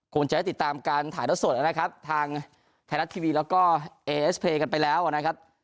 คงจะได้ติดตามการถ่ายแล้วสดนะครับทางไทยรัฐทีวีแล้วก็เอเอสเพลย์กันไปแล้วนะครับ